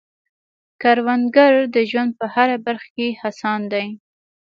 کروندګر د ژوند په هره برخه کې هڅاند دی